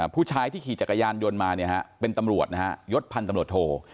ผู้ชายที่ขี่จักรยานยนต์มาเนี่ยฮะเป็นตำรวจนะฮะยศพันธ์ตำรวจโท